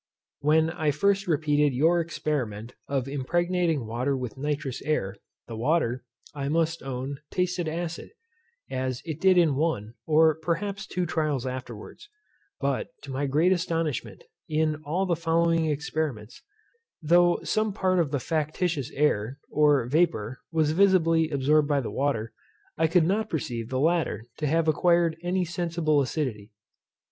When I first repeated your experiment of impregnating water with nitrous air, the water, I must own tasted acid; as it did in one, or perhaps two trials afterwards; but, to my great astonishment, in all the following experiments, though some part of the factitious air, or vapour, was visibly absorbed by the water, I could not perceive the latter to have acquired any sensible acidity.